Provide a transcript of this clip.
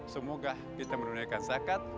semoga kita menunjukan zakat